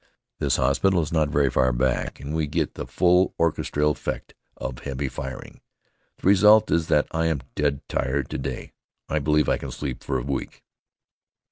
This hospital is not very far back and we get the full orchestral effect of heavy firing. The result is that I am dead tired to day. I believe I can sleep for a week.